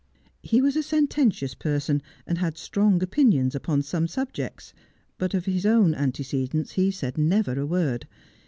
He was a sententious person, and had strong opinions upon some subjects, but of his own antecedents he said never a word.